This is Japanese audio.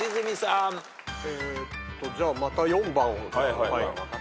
えっとじゃあまた４番を。